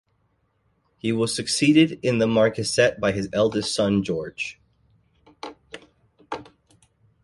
He was succeeded in the marquessate by his eldest son, George.